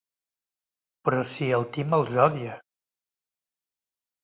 Però si el Tim els odia!